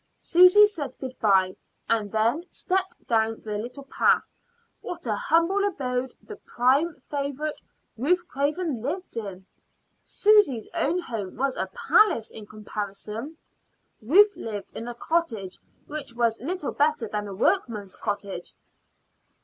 Susy said good bye, and then stepped down the little path. What a humble abode the prime favorite, Ruth Craven, lived in! Susy's own home was a palace in comparison. Ruth lived in a cottage which was little better than a workman's cottage.